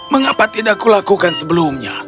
mengapa tidak kulakukan sebelumnya